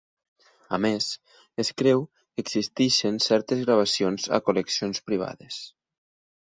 A més, es creu que existeixen certes gravacions a col·leccions privades.